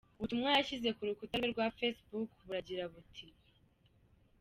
Ubutumwa yashyize ku rukuta rwe rwa Facebook buragira buti: